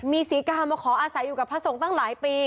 มีศรีกามาขออาศัยอยู่กับพระสงฆ์ตั้งหลายปี